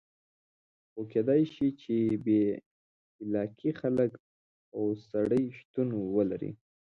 خو کېدای شي چې بې علاقې خلک او سړي شتون ولري.